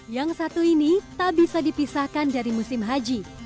yang satu ini tak bisa dipisahkan dari musim haji